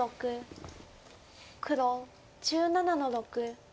黒１７の六。